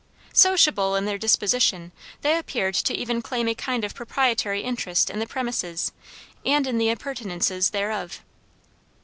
Sociable in their disposition, they appeared to even claim a kind of proprietary interest in the premises and in the appurtenances thereof.